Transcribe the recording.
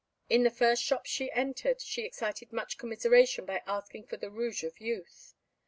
In the first shops she entered she excited much commiseration by asking for the Rouge of Youth.